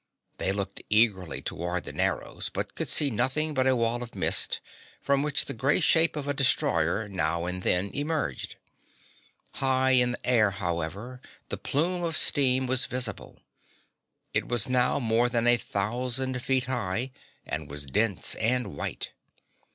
They looked eagerly toward the Narrows, but could see nothing but a wall of mist, from which the gray shape of a destroyer now and then emerged. High in the air, however, the plume of steam was visible. It was now more than a thousand feet high and was dense and white.